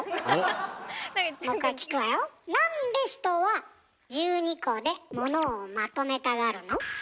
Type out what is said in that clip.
なんで人は１２個で物をまとめたがるの？